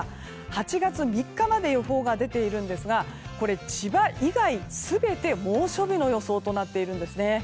８月３日まで予報が出ているんですがこれ、千葉以外全て猛暑日の予想となっているんですね。